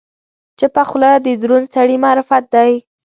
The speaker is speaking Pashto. چپه خوله، د دروند سړي معرفت دی.